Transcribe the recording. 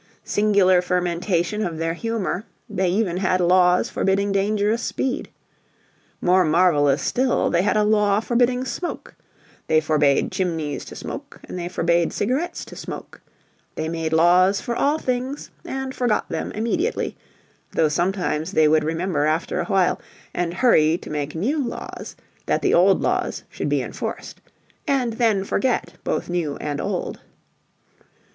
Singular fermentation of their humor, they even had laws forbidding dangerous speed. More marvelous still, they had a law forbidding smoke! They forbade chimneys to smoke and they forbade cigarettes to smoke. They made laws for all things and forgot them immediately; though sometimes they would remember after a while, and hurry to make new laws that the old laws should be enforced and then forget both new and old.